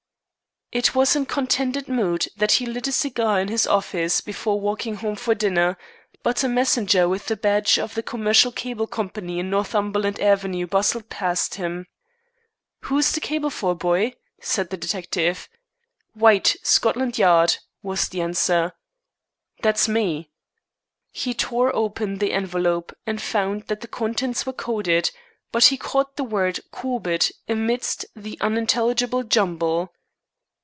It was in contented mood that he lit a cigar in his office, before walking home for dinner, but a messenger with the badge of the Commercial Cable Company in Northumberland Avenue bustled past him. "Who's the cable for, boy?" said the detective. "White, Scotland Yard," was the answer. "That's me." He tore open the envelope, and found that the contents were coded, but he caught the word "Corbett" amidst the unintelligible jumble.